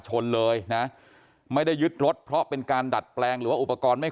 ชนเลยนะไม่ได้ยึดรถเพราะเป็นการดัดแปลงหรือว่าอุปกรณ์ไม่